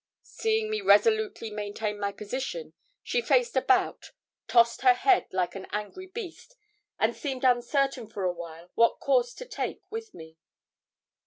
Seeing me resolutely maintain my position, she faced about, tossed her head, like an angry beast, and seemed uncertain for a while what course to take with me.